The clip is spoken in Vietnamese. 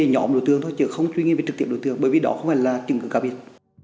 chỉ là nhóm đối tượng thôi chứ không truy nguyên vết trực tiếp đối tượng bởi vì đó không phải là tình cực khác biệt